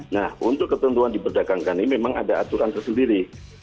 nah untuk ketentuan diperdagangkan ini memang ada aturan tersendiri